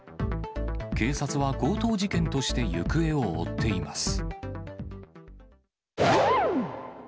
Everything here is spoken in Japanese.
警察は強盗事件として行方を追っています。